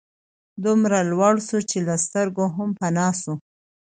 دومره لوړ سو چي له سترګو هم پناه سو